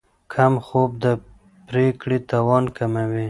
کم خوب د پرېکړې توان کموي.